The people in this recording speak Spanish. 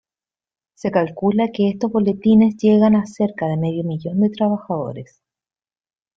Se calcula que estos boletines llegan a cerca de medio millón de trabajadores.